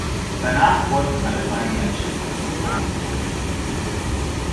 Danach wurden alle seine Matches als verloren gewertet.